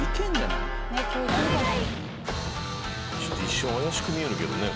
お願いちょっと一瞬怪しく見えるけどね